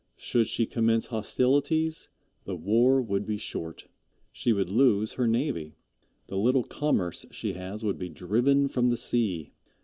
Should she commence hostilities, the war would be short. She would lose her navy. The little commerce she has would be driven from the sea.